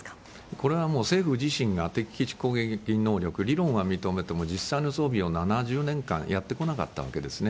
これはもう政府自身が敵基地攻撃能力、理論は認めても、実際の装備を７０年間やってこなかったわけですね。